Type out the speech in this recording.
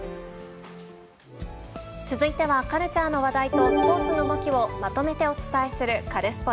続いては、カルチャーの話題とスポーツの動きをまとめてお伝えするカルスポ